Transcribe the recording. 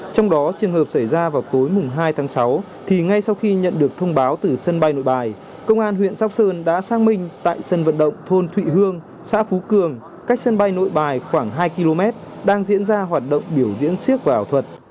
trong đó trường hợp xảy ra vào tối hai tháng sáu thì ngay sau khi nhận được thông báo từ sân bay nội bài công an huyện sóc sơn đã sang minh tại sân vận động thôn thụy hương xã phú cường cách sân bay nội bài khoảng hai km đang diễn ra hoạt động biểu diễn siếc và ảo thuật